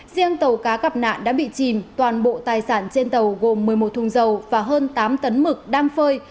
riêng tàu cá gặp nạn đã bị chìm toàn bộ tài sản trên tàu gồm một mươi một thùng dầu và hơn tám tấn mực đang phơi